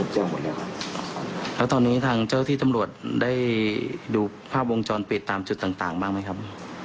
แจ้งหมดแล้วครับแล้วตอนนี้ทางเจ้าที่ตำรวจได้ดูภาพวงจรปิดตามจุดต่างต่างบ้างไหมครับ